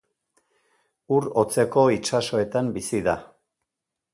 Ur hotzeko itsasoetan bizi da.